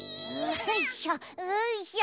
よいしょうんしょ。